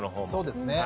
そうですね。